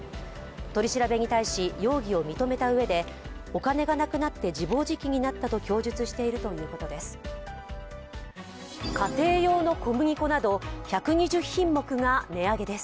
取り調べに対し容疑を認めたうえで、お金がなくなって自暴自棄になったと供述しているということです。